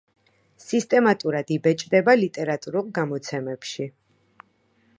სისტემატიურად იბეჭდება ლიტერატურულ გამოცემებში.